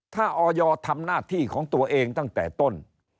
ถ้าออยทำหน้าที่ของตัวเองตั้งแต่ต้น